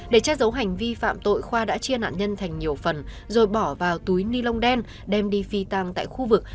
để trách dấu hành vi phạm tội khoa đã chia nạn nhân thành nhiều phần rồi bỏ vào túi ni lông đen đem đi phi tăng tại khu vực